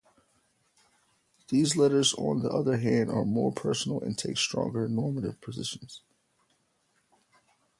These latter, on the other hand, are more personal and take strong normative positions.